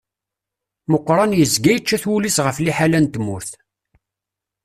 Muqran yezga yečča-t wul-is ɣef liḥala n tmurt.